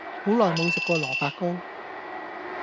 好耐無食過蘿蔔糕